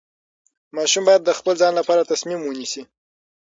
ماشوم باید د خپل ځان لپاره تصمیم ونیسي.